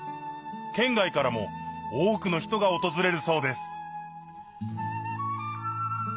県外からも多くの人が訪れるそうです